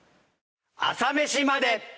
『朝メシまで。』。